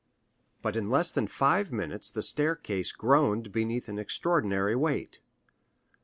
But in less than five minutes the staircase groaned beneath an extraordinary weight.